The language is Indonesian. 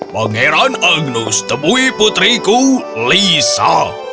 pangeran agnus temui putriku lisa